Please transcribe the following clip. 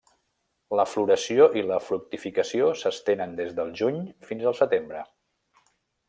La floració i la fructificació s'estenen des del juny fins al setembre.